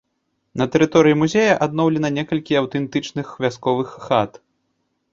На тэрыторыі музея адноўлена некалькі аўтэнтычных вясковых хат.